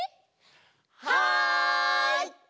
はい！